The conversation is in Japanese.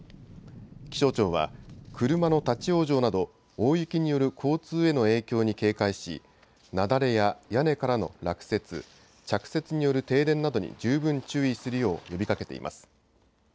気象庁は車の立往生など大雪による交通への影響に警戒し雪崩や屋根からの落雪、着雪による停電などに十分注意するよう呼びかけています。